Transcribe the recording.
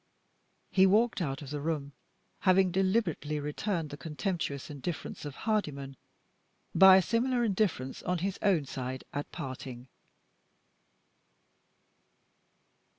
He walked out of the room, having deliberately returned the contemptuous indifference of Hardyman by a similar indifference on his own side, at parting.